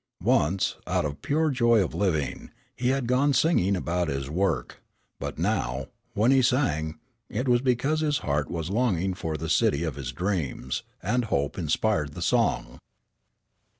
Once, out of pure joy of living, he had gone singing about his work; but now, when he sang, it was because his heart was longing for the city of his dreams, and hope inspired the song.